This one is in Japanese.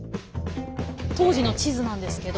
当時の地図なんですけど。